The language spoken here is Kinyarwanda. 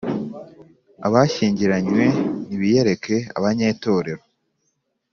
Abashyingaranywe nibiyereke abanyetorero